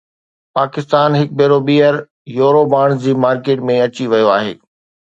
پاڪستان هڪ ڀيرو ٻيهر يورو بانڊز جي مارڪيٽ ۾ اچي ويو آهي